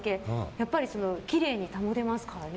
やっぱりきれいに保てますからね。